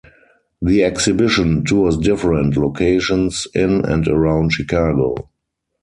The exhibition tours different locations in and around Chicago.